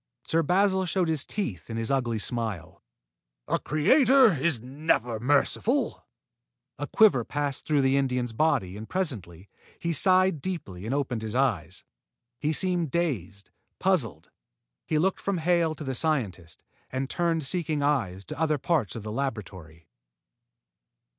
Sir Basil showed his teeth in his ugly smile. "A creator is never merciful." A quiver passed through the Indian's body and presently, he sighed deeply and opened his eyes. He seemed dazed, puzzled. He looked from Hale to the scientist, and turned seeking eyes to other parts of the laboratory.